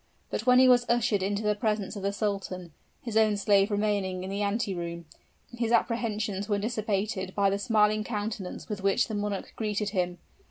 But when he was ushered into the presence of the sultan his own slave remaining in the ante room his apprehensions were dissipated by the smiling countenance with which the monarch greeted him.